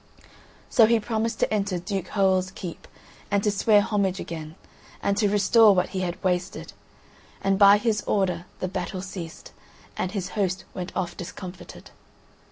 So he promised to enter Duke Hoël's keep and to swear homage again, and to restore what he had wasted; and by his order the battle ceased, and his host went off discomfited.